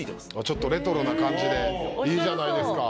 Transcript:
ちょっとレトロな感じでいいじゃないですか。